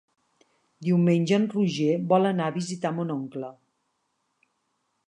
Diumenge en Roger vol anar a visitar mon oncle.